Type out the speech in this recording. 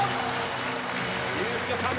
ユースケさん